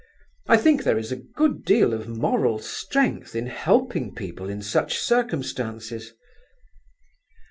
I think there is a good deal of moral strength in helping people in such circumstances."